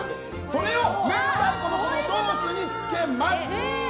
それを明太子のソースにつけます！